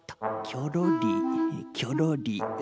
きょろりきょろり。